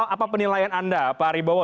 apa penilaian anda pak aribowo